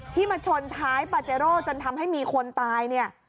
ที่มาชนท้ายปาเจโร่จนทำให้มีคนตาย